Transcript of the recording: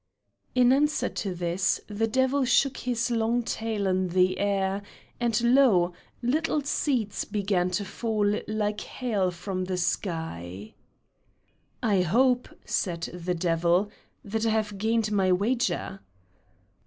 In answer to this, the devil shook his long tail in the air, and lo, little seeds began to fall like hail from the sky. "I hope," said the devil, "that I have gained my wager."